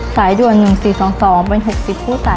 สายด่วน๑๔๒๒เป็น๖๐คู่สาย